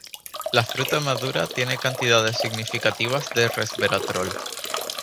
La fruta madura tiene cantidades significativas de resveratrol.